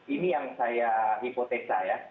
ini yang saya hipotesa ya